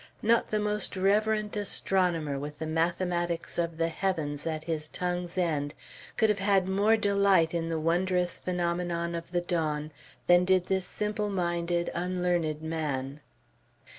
Not the most reverent astronomer, with the mathematics of the heavens at his tongue's end, could have had more delight in the wondrous phenomenon of the dawn, than did this simple minded, unlearned man.